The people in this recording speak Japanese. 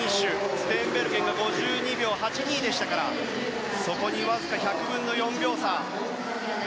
ステーンベルゲンが５２秒８２でしたからそこにわずか１００分の４秒差。